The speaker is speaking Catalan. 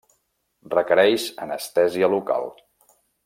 Requereix anestèsia local.